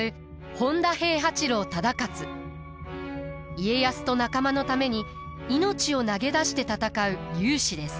家康と仲間のために命を投げ出して戦う勇士です。